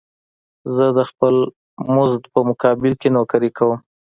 زه د خپل مزد په مقابل کې نوکري کوم